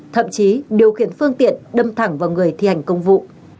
thậm chí điều khiển phương tiện đâm thẳng vào người thi hành công vụ